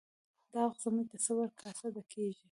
دا وخت زموږ د صبر کاسه ډکیږي